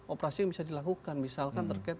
operasi yang bisa dilakukan misalkan terkait